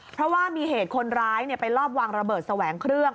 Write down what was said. เพราะว่ามีเหตุคนร้ายไปลอบวางระเบิดแสวงเครื่อง